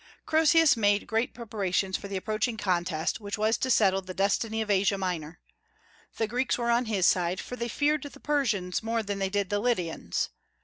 Croesus made great preparations for the approaching contest, which was to settle the destiny of Asia Minor. The Greeks were on his side, for they feared the Persians more than they did the Lydians.